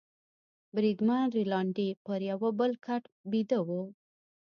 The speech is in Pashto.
بریدمن رینالډي پر یوه بل کټ بیده وو.